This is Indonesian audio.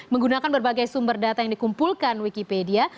menggunakan berbagai sumber data yang dikumpulkan wikipedia